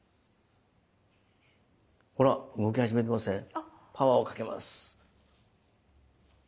ほら動き始めてません？パワーをかけます。